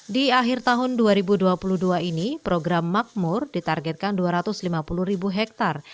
di akhir tahun dua ribu dua puluh dua ini program makmur ditargetkan dua ratus lima puluh ribu hektare